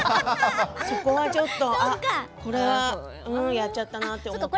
そこは、ちょっと、これはやっちゃったなって。